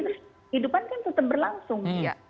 terus kehidupan kan tetap berlangsung